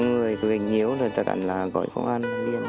người của mình nhiều rồi thật ảnh là gọi công an liên